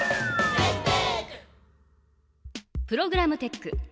プログラムテック。